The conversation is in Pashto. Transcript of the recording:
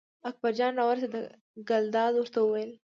اکبرجان راورسېد، ګلداد ورته وویل.